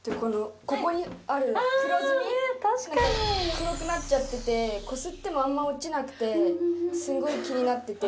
黒くなっちゃっててこすってもあんま落ちなくてすごい気になってて。